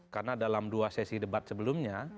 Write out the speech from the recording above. karena dalam dua sesi debat sebelumnya